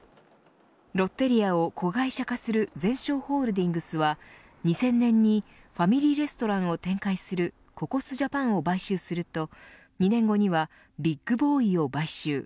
ロッテリアを子会社化するゼンショーホールディングスは２０００年にファミリーレストランを展開するココスジャパンを買収すると２年後にはビッグボーイを買収。